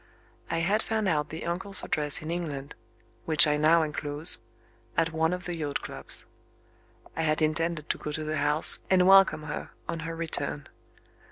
I had found out the uncle's address in England (which I now enclose) at one of the Yacht Clubs. I had intended to go to the house, and welcome her on her return.